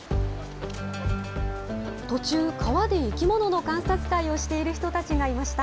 途中、川で生き物の観察会をしている人たちがいました。